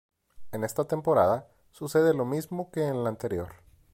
En esta temporada sucede lo mismo que en la anterior.